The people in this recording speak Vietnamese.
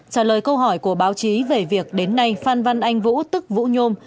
trả lời câu hỏi của báo chí về việc đến nay phan văn anh vũ tức vũ nhôm